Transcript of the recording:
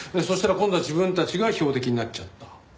そしたら今度は自分たちが標的になっちゃった？